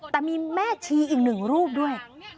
แต่มีแม่ชีอีกหนึ่งรูปด้วย